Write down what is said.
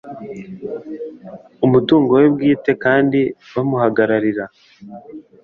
umutungo we bwite kandi bamuhagararira